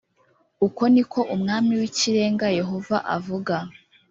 uko ni ko umwami w'ikirenga yehova avuga